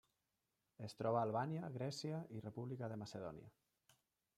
Es troba a Albània, Grècia i República de Macedònia.